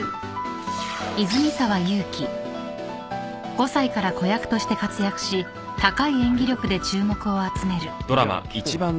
［５歳から子役として活躍し高い演技力で注目を集める］